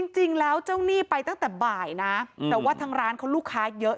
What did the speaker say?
จริงแล้วเจ้าหนี้ไปตั้งแต่บ่ายนะแต่ว่าทางร้านเขาลูกค้าเยอะ